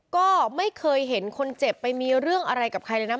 ก็ไม่เคยเห็นคนเจ็บไปมีเรื่องอะไรกับใครเลยนะ